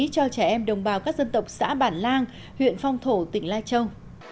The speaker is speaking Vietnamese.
cho trẻ em đồng bào các dân tộc xã bản lang huyện phong thổ tỉnh lai châu